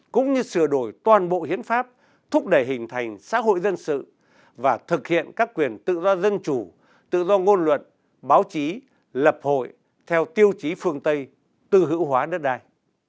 cũng như sửa đổi toàn bộ hiến pháp thúc đẩy hình thành xã hội dân sự và thực hiện các quyền tự do dân chủ tự do ngôn luận báo chí lập hội theo tiêu chí phương tây tư hữu hóa đất đai